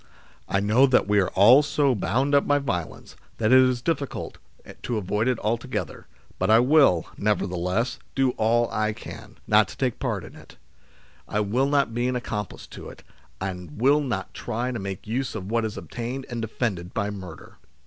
" I know that we are all so bound up by violence, that it is difficult to avoid it altogether, but I will, nevertheless, do all I can, not to take part in it : I will not be an accomplice to it, and will try not to make use of what is obtained and defended by murder.